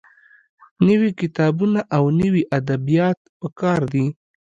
نوي کتابونه او نوي ادبيات پکار دي.